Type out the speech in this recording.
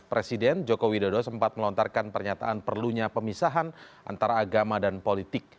presiden joko widodo sempat melontarkan pernyataan perlunya pemisahan antara agama dan politik